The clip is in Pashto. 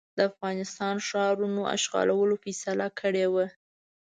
د افغانستان ښارونو اشغالولو فیصله کړې وه.